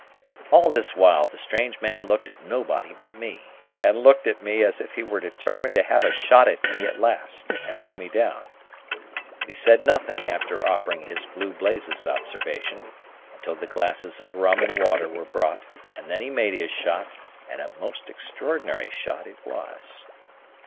All this while, the strange man looked at nobody but me, and looked at me as if he were determined to have a shot at me at last, and bring me down. But he said nothing after offering his Blue Blazes observation, until the glasses of rum and water were brought; and then he made his shot, and a most extraordinary shot it was.